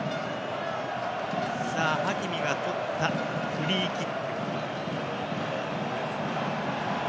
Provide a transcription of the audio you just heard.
ハキミがとったフリーキック。